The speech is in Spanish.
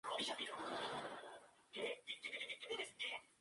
El bosque es escaso y se compone de pinos y abedules escarpados.